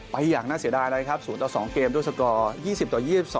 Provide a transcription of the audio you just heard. อย่างน่าเสียดายเลยครับ๐ต่อ๒เกมด้วยสกอร์๒๐ต่อ๒๒